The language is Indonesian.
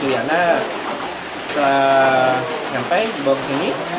setelah nyampe dibawa kesini